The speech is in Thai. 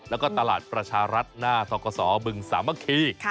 แล้วก็ตลาดประชารัฐหน้าศบุรรณสามะภีร์